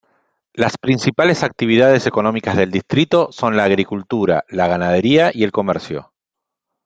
Las principales actividades económicas del distrito son la agricultura, la ganadería y el comercio.